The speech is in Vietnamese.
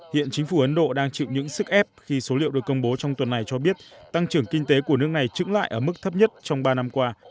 hiện chính phủ ấn độ đang chịu những sức ép khi số liệu được công bố trong tuần này cho biết tăng trưởng kinh tế của nước này trứng lại ở mức thấp nhất trong ba năm qua